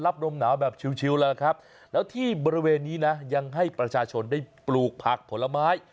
ลมหนาวแบบชิวแล้วล่ะครับแล้วที่บริเวณนี้นะยังให้ประชาชนได้ปลูกผักผลไม้